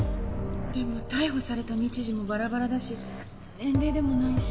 でも逮捕された日時もバラバラだし年齢でもないし。